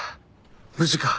無事か？